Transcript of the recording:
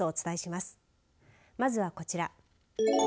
まずはこちら。